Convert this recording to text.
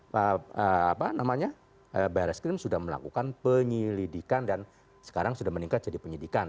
dan sekarang apa namanya bayar eskrim sudah melakukan penyelidikan dan sekarang sudah meningkat jadi penyelidikan